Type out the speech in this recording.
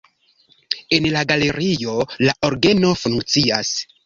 En la galerio la orgeno funkcias.